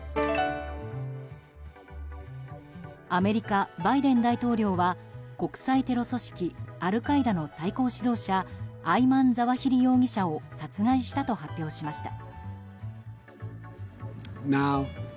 アメリカ、バイデン大統領は国際テロ組織アルカイダの最高指導者アイマン・ザワヒリ容疑者を殺害したと発表しました。